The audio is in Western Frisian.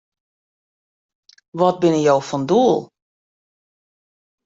Wat binne jo fan doel?